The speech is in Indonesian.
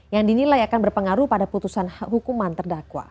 yang dinilai akan berpengaruh pada putusan hukuman terdakwa